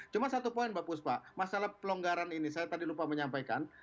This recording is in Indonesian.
cuma satu poin mbak puspa masalah pelonggaran ini saya tadi lupa menyampaikan